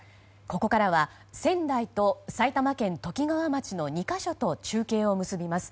ここからは仙台と埼玉県ときがわ町の２か所と中継を結びます。